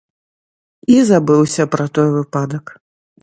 І забыўся пра той выпадак.